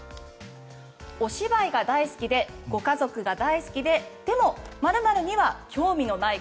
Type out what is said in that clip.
お芝居が大好きでご家族が大好きででも、○○には興味のない方。